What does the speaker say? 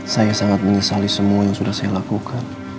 saya sangat menyesali semua yang sudah saya lakukan